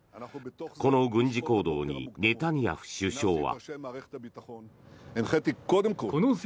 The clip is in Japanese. この軍事行動にネタニヤフ首相は。